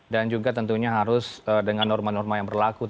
dan juga tentunya harus dengan norma norma yang berlaku